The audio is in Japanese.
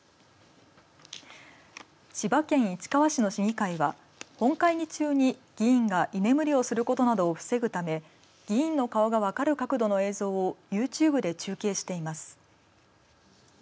千葉県市川市の市議会は本会議中に議員が居眠りをすることなどを防ぐため議員の顔が分かる角度の映像をユーチューブで中継しています。